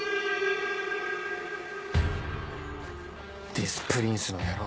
デス・プリンスの野郎